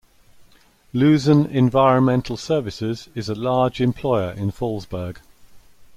Luzon Environmental Services is a large employer in Fallsburg.